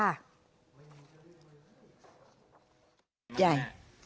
ยาย